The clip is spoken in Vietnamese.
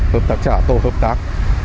hợp tác trả tổ hợp tác